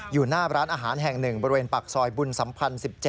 อยู่หน้าร้านอาหารแห่ง๑บริเวณปากซอยบุญสัมพันธ์๑๗